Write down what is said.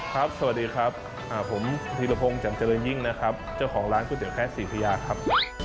สวัสดีครับผมธีรพงศ์จำเจริญยิ่งนะครับเจ้าของร้านก๋วยเตี๋แพ้สี่พยาครับ